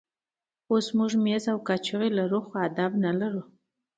اوس موږ مېز او کاچوغې لرو خو آداب نه لرو.